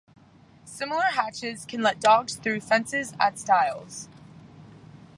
Similar hatches can let dogs through fences at stiles.